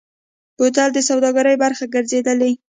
بوتل د سوداګرۍ برخه ګرځېدلی.